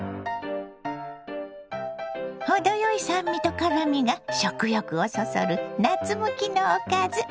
程よい酸味と辛みが食欲をそそる夏向きのおかず。